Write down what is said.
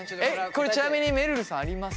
これちなみにめるるさんあります？